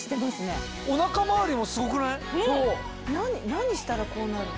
何したらこうなるの？